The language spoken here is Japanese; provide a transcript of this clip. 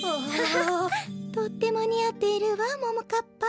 とってもにあっているわももかっぱ。